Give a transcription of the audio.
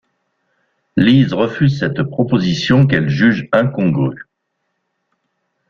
Liz refuse cette proposition qu'elle juge incongrue.